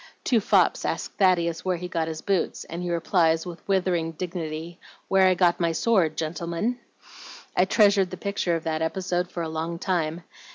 Two fops ask Thaddeus where he got his boots, and he replies, with withering dignity, 'Where I got my sword, gentlemen.' I treasured the picture of that episode for a long time.